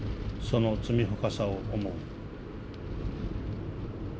その罪深さを思う」。